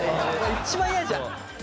一番嫌じゃん！